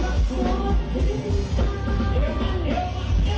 มาช่วยดอกให้ดี